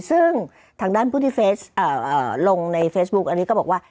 ซึ่งทางด้านผู้ที่เฟสลงในเฟซบุ๊กอันนี้ก็บอกว่า